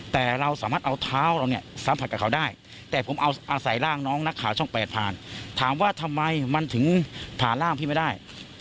แต่เราสามารถเอาเท้าเราเนี่ยสัมผัสกับเขาได้แต่ผมเอาอาศัยร่างน้องนักข่าวช่อง๘ผ่านถามว่าทำไมมันถึงผ่านร่างพี่ไม่ได้